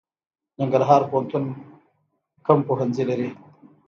ننګرهار پوهنتون کوم پوهنځي لري؟